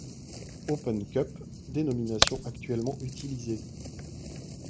Open Cup, dénomination actuellement utilisée.